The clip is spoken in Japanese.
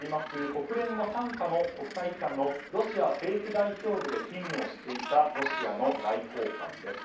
国連傘下の国際機関のロシア政府代表部で勤務をしていたロシアの外交官です。